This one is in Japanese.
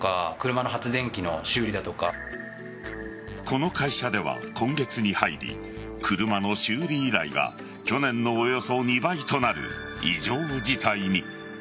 この会社では今月に入り車の修理依頼が去年のおよそ２倍となる異常事態に。